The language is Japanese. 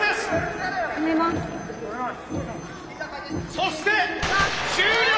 そして終了！